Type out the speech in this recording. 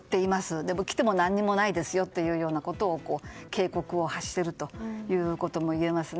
でも、来ても何もないですよということを警告を発していることもいえますね。